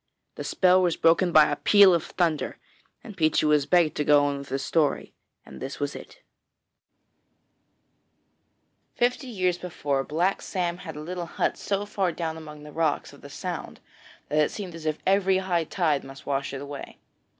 The spell was broken by a peal of thunder, and Peechy was begged to go on with his story, and this was it: Fifty years before, Black Sam had a little hut so far down among the rocks of the Sound that it seemed as if every high tide must wash it away.